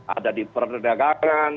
ada di perdagangan